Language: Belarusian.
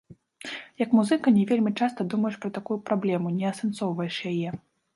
Як музыка, не вельмі часта думаеш пра такую праблему, не асэнсоўваеш яе.